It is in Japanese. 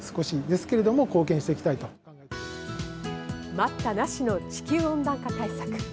待ったなしの地球温暖化対策。